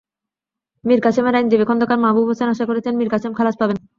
মীর কাসেমের আইনজীবী খন্দকার মাহবুব হোসেন আশা করছেন, মীর কাসেম খালাস পাবেন।